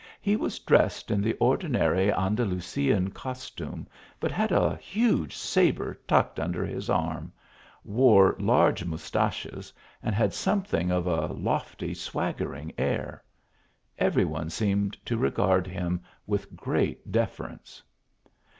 He was dressed in the ordinary An dalusian costume, but had a huge sabre tucked under his arm, wore large moustaches and had something of a lofty swaggering air. Every one seemed to regard him with great deference.